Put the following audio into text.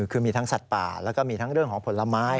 คือมีทั้งสัตว์ป่าแล้วก็มีทั้งเรื่องของผลไม้